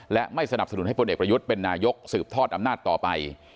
และไม่สนับสนุนให้พลเอกประยุทธ์เป็นนายกสืบทอดอำนาจต่อไป